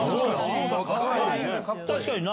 確かにな。